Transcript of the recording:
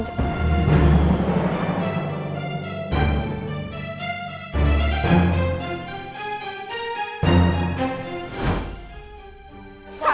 saya mau pergi